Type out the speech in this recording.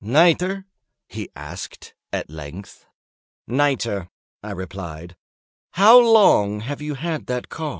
"Nitre?" he asked, at length. "Nitre," I replied. "How long have you had that cough?"